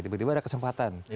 tiba tiba ada kesempatan